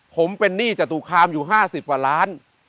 ผมเป็นหนี้จตุคามอยู่๕๐กว่าล้าน